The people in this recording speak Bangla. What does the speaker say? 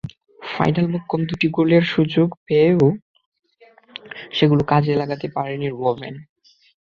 ফাইনালে মোক্ষম দুটি গোলের সুযোগ পেয়েও সেগুলো কাজে লাগাতে পারেননি রোবেন।